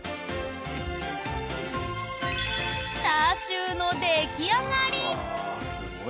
チャーシューの出来上がり！